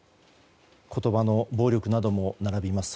言葉の暴力なども並びます。